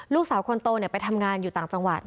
ลูกสาวคนโตไปทำงานอยู่ต่างจังหวัด